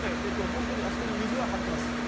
ホントにあそこに水は張ってます。